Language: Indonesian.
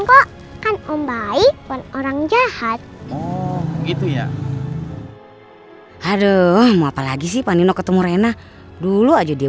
yang baik pun orang jahat oh gitu ya aduh mau apa lagi sih panino ketemu rena dulu aja dia